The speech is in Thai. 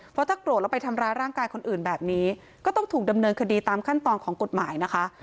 เพราะถ้าโกรธแล้วไปทำร้ายร่างกายคนอื่นแบบนี้ก็ต้องถูกดำเนินคดีตามขั้นตอนของกฎหมายนะคะ